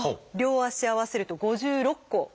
両足合わせると５６個。